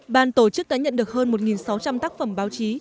ban tổ chức đã nhận được hơn một sáu trăm linh tác phẩm báo chí